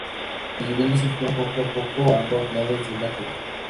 Las viviendas surgieron poco a poco a ambos lados de la calle.